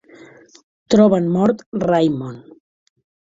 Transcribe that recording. Troben mort Raymond.